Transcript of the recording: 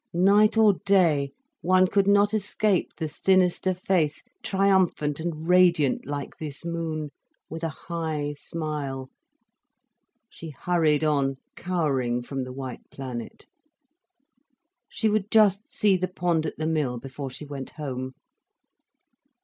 Night or day, one could not escape the sinister face, triumphant and radiant like this moon, with a high smile. She hurried on, cowering from the white planet. She would just see the pond at the mill before she went home.